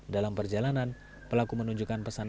dalam perjalanan pelaku menunjukkan pesan